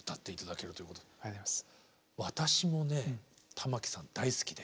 私もね玉置さん大好きで。